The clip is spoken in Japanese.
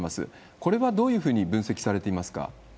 これはどういうふうに分析されていますか？